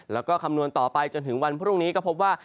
แล้วก็คำนวณต่อไปจนถึงวันพรุ่งนี้ก็พบว่า